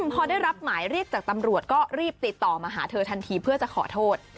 พอได้รับหมายเรียกจากตำรวจก็รีบติดต่อมาหาเธอทันทีเพื่อจะขอโทษ